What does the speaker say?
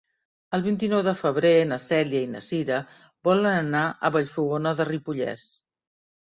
El vint-i-nou de febrer na Cèlia i na Cira volen anar a Vallfogona de Ripollès.